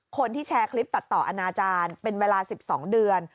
คนที่แชร์คลิปตัดต่ออนาจารย์เป็นเวลา๑๒เดือน